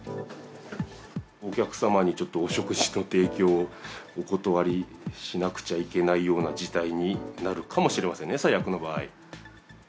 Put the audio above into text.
お客様にお食事の提供をお断りしなくちゃいけないような事態になるかもしれませんね、最悪の場合。